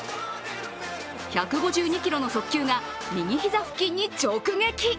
１５２キロの速球が右膝付近直撃。